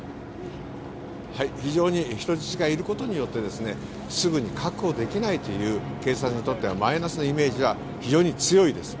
非常に人質がいることによってすぐに確保できないという警察にとってはマイナスなイメージは非常に強いです。